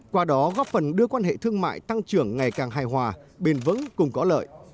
qua đó góp phần đưa quan hệ thương mại tăng trưởng ngày càng hài hòa bền vững cùng có lợi